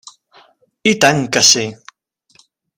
I tant que sí!